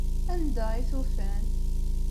Anda i t-ufan?